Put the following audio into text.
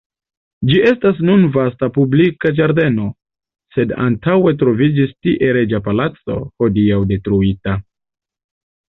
Ĝi estas nun vasta publika ĝardeno, sed antaŭe troviĝis tie reĝa palaco, hodiaŭ detruita.